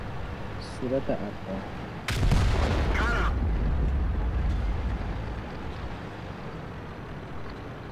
صورت ارقام